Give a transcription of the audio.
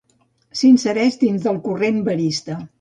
S'insereix dins del corrent verista.